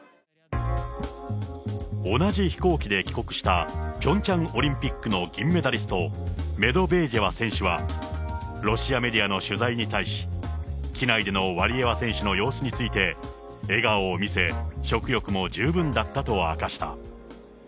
同じ飛行機で帰国した、ピョンチャンオリンピックの銀メダリスト、メドベージェワ選手は、ロシアメディアの取材に対し、機内でのワリエワ選手の様子について、笑顔を見せ、食欲も十分だったと明かした。